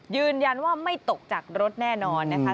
ยืนยันว่าไม่ตกจากรถแน่นอนนะคะ